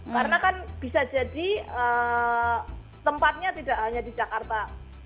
karena kan bisa jadi tempatnya tidak hanya di jakarta